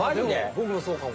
ボクもそうかも。